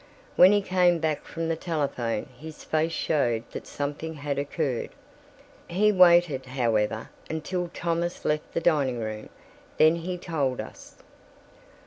When he came back from the telephone his face showed that something had occurred. He waited, however, until Thomas left the dining room: then he told us.